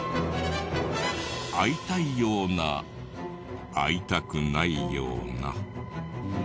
会いたいような会いたくないような。